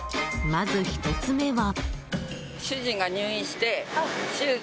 まず、１つ目は。